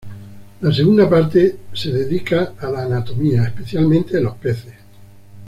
La segunda parte de dedica a la anatomía, especialmente de los peces.